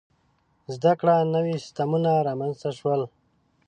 • د زده کړې نوي سیستمونه رامنځته شول.